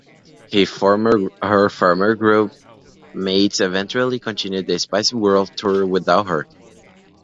Her former group mates eventually continued the Spiceworld Tour without her.